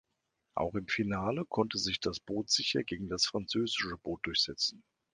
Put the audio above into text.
Auch im Finale konnte sich das Boot sicher gegen das französische Boot durchsetzen.